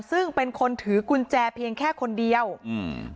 ซึ่งเป็นคนถือกุญแจเพียงแค่คนเดียวอืม